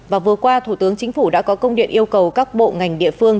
và vừa qua thủ tướng chính phủ đã có công điện yêu cầu các bộ ngành địa phương